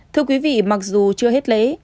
thưa quý vị mặc dù chưa hết lễ